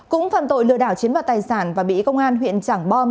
cũng phạm tội lừa đảo chiếm đoạt tài sản và bị công an huyện trảng bom